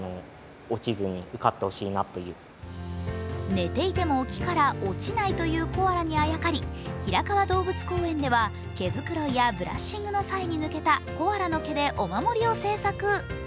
寝ていても木から落ちないというコアラにあやかり、平川動物公園では毛繕いやブラッシングの際に抜けたコアラの毛でお守りを製作。